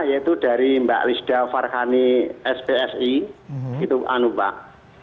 yaitu dari mbak lisda farhani spsi itu anu pak